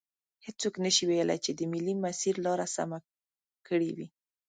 هیڅوک نشي ویلی چې د ملي مسیر لار سمه کړي وي.